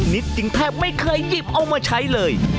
นิดจึงแทบไม่เคยหยิบเอามาใช้เลย